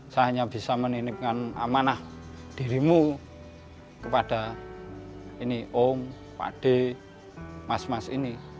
saya hanya bisa menitipkan amanah dirimu kepada ini om pak d mas mas ini